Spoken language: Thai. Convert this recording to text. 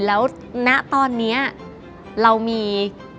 แล้วณตอนนี้เรามี